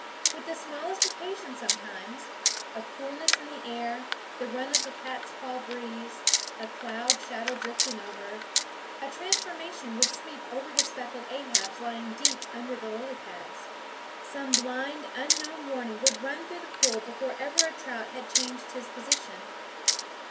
With the smallest occasion sometimes a coolness in the air, the run of a cats paw breeze, a cloud shadow drifting over a trans formation would sweep over the speckled Ahabs lying deep under the lily pads. Some blind, unknown warning would run through THE WOODS the pool before ever a trout had changed his position.